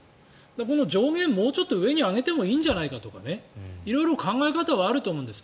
この上限をもうちょっと上に上げてもいいんじゃないかとか色々考え方はあると思うんです。